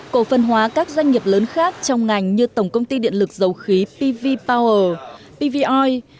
cổ phần hóa các doanh nghiệp lớn khác trong ngành như tổng công ty điện lực dầu khí pv power pv oil